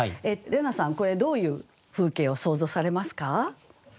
怜奈さんこれどういう風景を想像されますか？